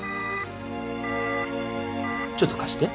ちょっと貸して。